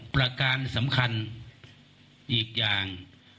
ประการสำคัญอีกอย่าง